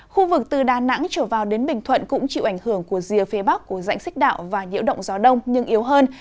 khu vực từ đà nẵng trở vào đến bình thuận cũng chịu ảnh hưởng của rìa phía bắc của dãnh xích đạo và nhiễu động gió đông nhưng yếu hơn